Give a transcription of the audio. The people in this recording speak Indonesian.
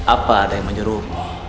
apa yang menyerupu